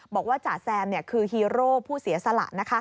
บอกว่าจ๋าแซมคือฮีโร่ผู้เสียสละ